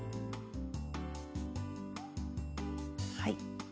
はい。